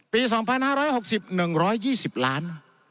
ปี๒๕๖๐๑๒๐ล้าน